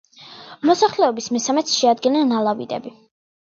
მოსახლეობის მესამედს შეადგენენ ალავიტები.